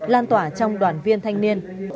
lan tỏa trong đoàn viên thanh niên